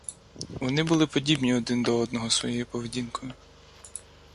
Вони були подібні один до одного своєю поведінкою.